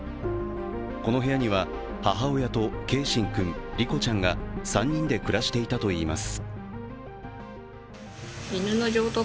この部屋には母親と継真君、梨心ちゃんが３人で暮らしていたといいます。